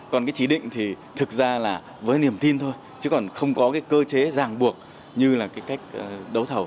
còn cái chỉ định thì thực ra là với niềm tin thôi chứ còn không có cái cơ chế ràng buộc như là cái cách đấu thầu